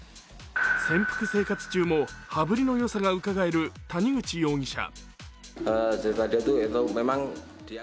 潜伏生活中も羽振りのよさがうかがえる谷口容疑者。